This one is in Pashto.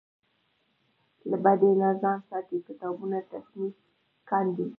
له بدۍ نه ځان ساتي کتابونه تصنیف کاندي.